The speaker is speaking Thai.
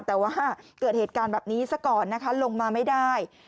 แต่ว่าเกิดเหตุการณ์แบบนี้ซะก่อนนะคะลงมาไม่ได้